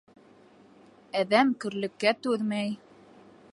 Әҙәм көрлөккә түҙмәй.